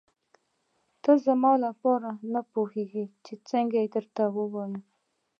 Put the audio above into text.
ته زما لپاره نه پوهېږم څنګه یې درته ووايم.